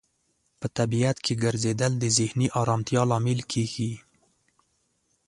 په طبیعت کې ګرځیدل د ذهني آرامتیا لامل کیږي.